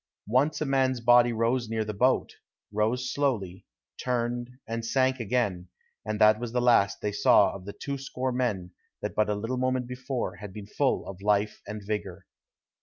Once a man's body rose near the boat; rose slowly, turned, and sank again, and that was the last they saw of the twoscore men that but a little moment before had been full of life and vigor.